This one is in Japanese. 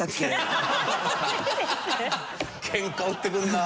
ケンカ売ってくるなあ。